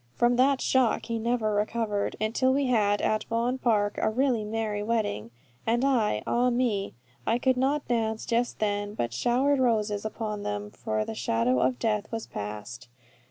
From that shock he never recovered, until we had at Vaughan Park a really merry wedding; and I, ah me, I could not dance just then, but I showered roses upon them, for the shadow of death was past.